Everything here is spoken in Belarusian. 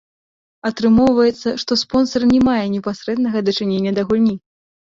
Атрымоўваецца, што спонсар не мае непасрэднага дачынення да гульні.